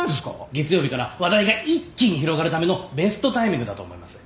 月曜日から話題が一気に広がるためのベストタイミングだと思います。